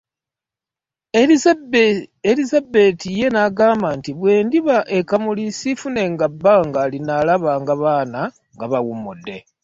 Elizabeti ye n'agamba nti bwe ndidda e Kamuli sifunenga bbanga linaalabanga Baana nga bawummudde.